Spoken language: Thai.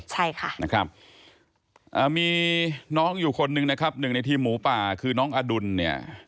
ใช่ค่ะนะครับมีน้องอยู่คนหนึ่งนะครับหนึ่งในทีมหมูป่าคือน้องอดุลเนี่ย